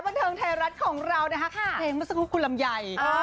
บันเทิงไทยรัฐของเรานะคะเพลงเมื่อสักครู่คุณลำไย